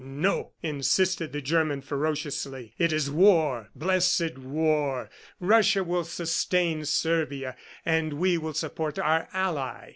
"No," insisted the German ferociously. "It is war, blessed war. Russia will sustain Servia, and we will support our ally.